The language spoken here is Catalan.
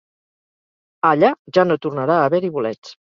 Allà, ja no tornarà a haver-hi bolets.